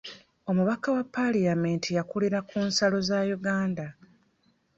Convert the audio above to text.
Omubaka wa palamenti yakulira ku nsalo za Uganda.